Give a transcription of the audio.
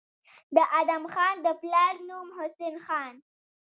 د ادم خان د پلار نوم حسن خان